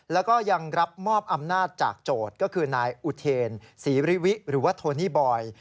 แล้วก็ยังรับมอบอำนาจจากโจทย์ก็คือนายอุเทนศรีริวิหรือว่าโทนี่บอย